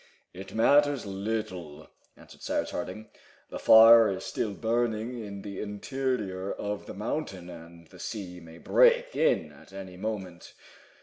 "It matters little," answered Cyrus Harding. "The fire is still burning in the interior of the mountain, and the sea may break in at any moment.